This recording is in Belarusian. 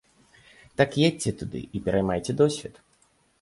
Так едзьце туды і пераймайце досвед.